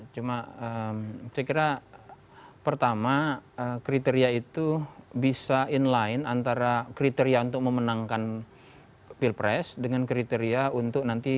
cuma saya kira pertama kriteria itu bisa inline antara kriteria untuk memenangkan pilpres dengan kriteria untuk nanti